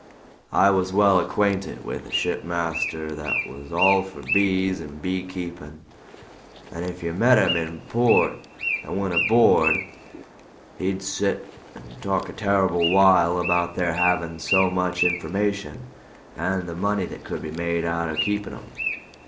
I was well acquainted with a shipmaster that was all for bees an' beekeepin'; and if you met him in port and went aboard, he'd sit and talk a terrible while about their havin' so much information, and the money that could be made out of keepin' 'em.